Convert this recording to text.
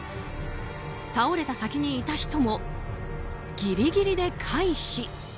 倒れた先にいた人もギリギリで回避。